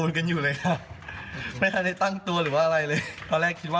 แล้วทำไงครับ